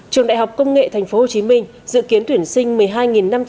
trường đại học công nghệ tp hcm dự kiến tuyển sinh một mươi hai năm trăm linh chỉ tiêu trình độ đại học